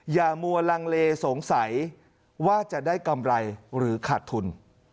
อย่ามัวลังเลสงสัยว่าจะได้กำไรหรือขาดทุน